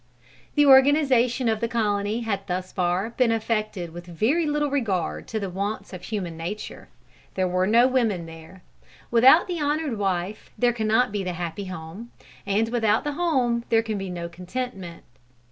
The organization of the colony had thus far been effected with very little regard to the wants of human nature. There were no women there. Without the honored wife there cannot be the happy home; and without the home there can be no contentment.